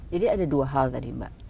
jadi ada dua hal tadi mbak